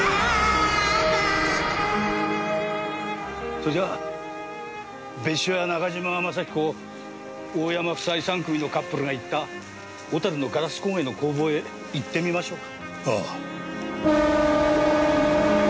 それじゃあ別所や中島雅彦大山夫妻３組のカップルが行った小樽のガラス工芸の工房へ行ってみましょうか。